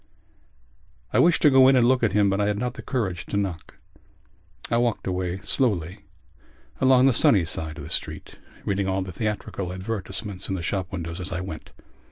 I wished to go in and look at him but I had not the courage to knock. I walked away slowly along the sunny side of the street, reading all the theatrical advertisements in the shop windows as I went.